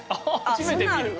初めて見る。